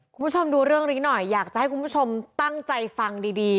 คุณผู้ชมดูเรื่องนี้หน่อยอยากจะให้คุณผู้ชมตั้งใจฟังดีดี